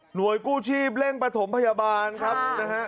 หน่วยกู้ชีพแรงประถมพยาบาลครับนะฮะ